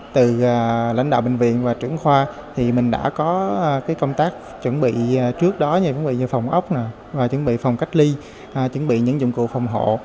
từ lãnh đạo bệnh viện và trưởng khoa thì mình đã có cái công tác chuẩn bị trước đó như phòng ốc và chuẩn bị phòng cách ly chuẩn bị những dụng cụ phòng hộ